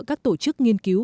các tổ chức nghiên cứu